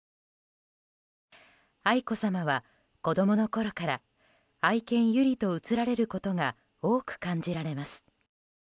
愛子さまは、子供のころから愛犬・由莉と映られることが多く感じられます。